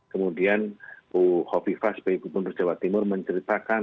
kemudian bu hovifah sebagai gubernur jawa timur menceritakan